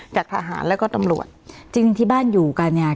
จากทหารแล้วก็ตำรวจจริงที่บ้านอยู่กันเนี่ย